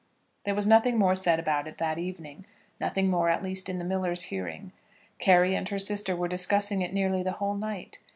There was nothing more said about it that evening, nothing more at least in the miller's hearing. Carry and her sister were discussing it nearly the whole night.